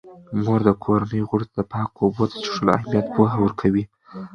مور د کورنۍ غړو ته د پاکو اوبو د څښلو اهمیت پوهه ورکوي.